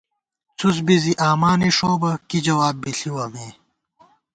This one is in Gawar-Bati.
څُس بی زی آمانِݭوؤ بہ کی جواب بی ݪِوَہ مے